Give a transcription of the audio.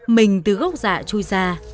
mình từ gốc dạ chui ra